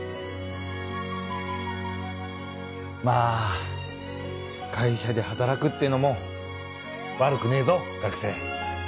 まぁ会社で働くってのも悪くねえぞ学生。